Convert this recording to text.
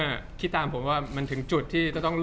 จากความไม่เข้าจันทร์ของผู้ใหญ่ของพ่อกับแม่